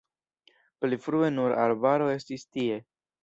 Pli frue nur arbaro estis tie.